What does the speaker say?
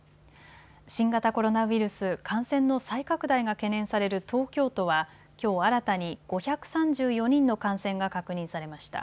新型コロナウイルス、感染の再拡大が懸念される東京都はきょう新たに５３４人の感染が確認されました。